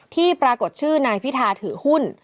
ที่ปรากฏชื่อนายพิธาถือหุ้น